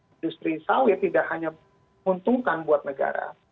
industri sawit tidak hanya menguntungkan buat negara